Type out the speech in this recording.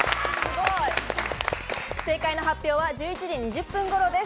正解の発表は１１時２０分頃です。